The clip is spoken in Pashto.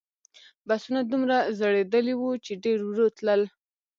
بسونه دومره زړیدلي وو چې ډېر ورو تلل.